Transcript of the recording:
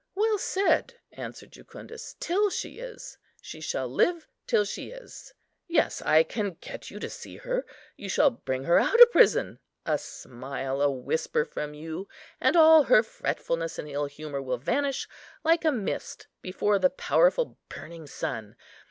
"Well said!" answered Jucundus, "till she is. She shall live till she is. Yes, I can get you to see her. You shall bring her out of prison; a smile, a whisper from you, and all her fretfulness and ill humour will vanish, like a mist before the powerful burning sun.